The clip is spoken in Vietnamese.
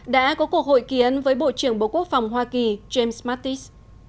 đã có cuộc hội kiến với bộ trưởng bộ quốc phòng hoa kỳ james mattis